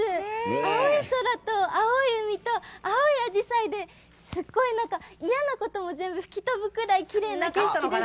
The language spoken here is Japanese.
青い空と青い海と青いあじさいで、すっごいなんか、嫌なことも全部吹き飛ぶくらいきれいな景色です。